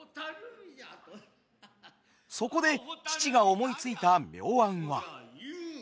そこで父が思いついた妙案は。